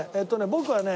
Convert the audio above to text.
僕はね。